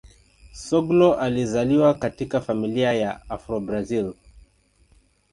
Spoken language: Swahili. Soglo alizaliwa katika familia ya Afro-Brazil.